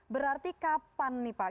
berarti kapan nih pak